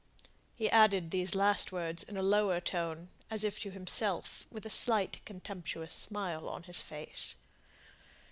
He added these last words in a lower tone, as if to himself, with a slight contemptuous smile on his face.